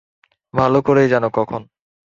ভালো করেই জানো কখন।